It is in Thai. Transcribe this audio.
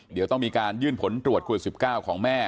เดี๋ยวต้องมีการยื่นผลตรวจโควิด๑๙ของแม่